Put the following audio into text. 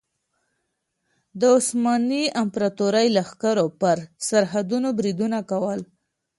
د عثماني امپراطورۍ لښکرو پر سرحدونو بریدونه کول.